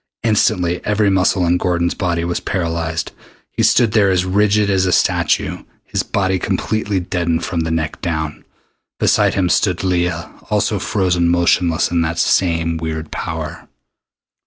Instantly every muscle in Gordon's body was paralyzed. He stood there as rigid as a statue, his body completely deadened from the neck down. Beside him stood Leah, also frozen motionless in that same weird power.